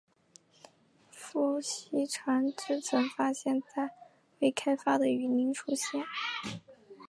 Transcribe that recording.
孵溪蟾只曾发现在未开发的雨林出现。